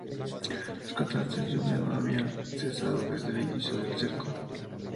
Las constantes lluvias no habían cesado desde el inicio del cerco.